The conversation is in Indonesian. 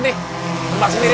eh apaan nih